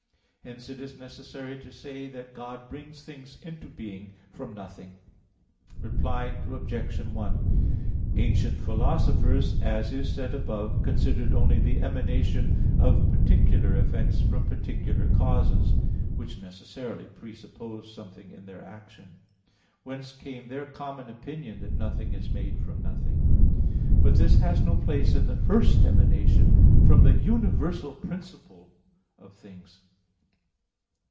Hence it is necessary to say that God brings things into being from nothing. Reply Obj. 1: Ancient philosophers, as is said above (Q. 44, A. 2), considered only the emanation of particular effects from particular causes, which necessarily presuppose something in their action; whence came their common opinion that "nothing is made from nothing." But this has no place in the first emanation from the universal principle of things.